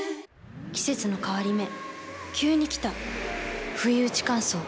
季節の変わり目急に来たふいうち乾燥。